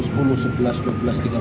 sebetulnya saya punya ketaraan